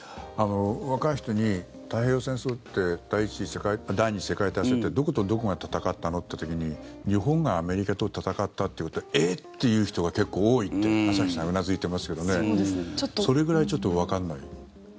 若い人に太平洋戦争って第２次世界大戦ってどことどこが戦ったのっていう時に日本がアメリカと戦ったというとえ？っていう人が結構多いって朝日さん、うなずいてますけどそれぐらいわからない？